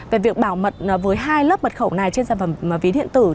về việc bảo mật với hai lớp mật khẩu này trên sản phẩm ví điện tử